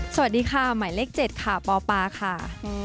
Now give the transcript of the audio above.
สวัสดีค่ะหมายเลข๗ค่ะปปค่ะ